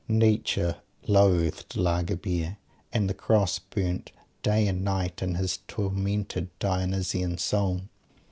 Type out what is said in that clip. Nietzsche loathed Laager Beer, and "the Cross" burnt day and night in his tormented, Dionysian soul.